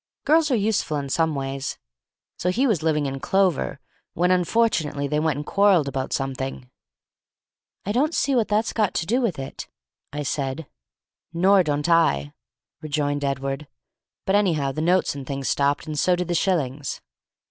Girls are useful in some ways. So he was living in clover, when unfortunately they went and quarrelled about something." "Don't see what that's got to do with it," I said. "Nor don't I," rejoined Edward. "But anyhow the notes and things stopped, and so did the shillings.